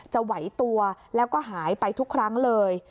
ไหวตัวแล้วก็หายไปทุกครั้งเลย